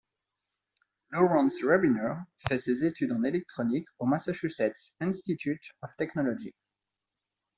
Lawrence Rabiner fait ses études en électronique au Massachusetts Institute of Technology.